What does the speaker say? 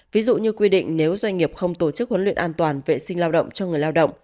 ví dụ như quy định nếu doanh nghiệp không tổ chức huấn luyện an toàn vệ sinh lao động cho người lao động